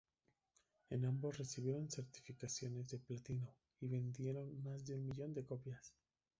En ambos recibieron certificaciones de platino y vendieron más de un millón de copias.